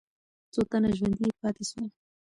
څو تنه ژوندي پاتې سول؟